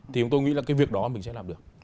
thì chúng tôi nghĩ là cái việc đó mình sẽ làm được